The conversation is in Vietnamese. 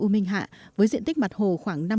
u minh hạ với diện tích mặt hồ khoảng